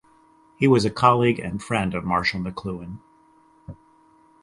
He was a colleague and friend of Marshall McLuhan.